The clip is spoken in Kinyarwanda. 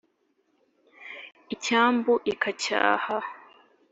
Icyambu ikacyaha